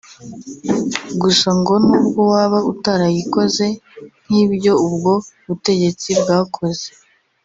gusa ngo nubwo waba utarayikoze nk’ibyo ubwo butegetsi bwakoze